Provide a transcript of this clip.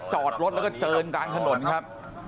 จอดรถแล้วก็เจินกลางถนนครับ